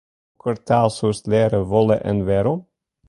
Hokker taal soest leare wolle en wêrom?